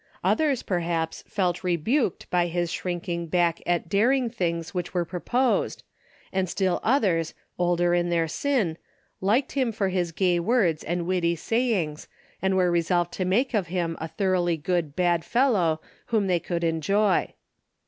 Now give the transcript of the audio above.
Others, perhaps, felt rebuked by his shrinking back at daring things which were proposed, and still others, older in their sin, liked him for his gay words and witty sayings, and were resolved to make of him a thoroughly good bad fellow whom they could enjoy.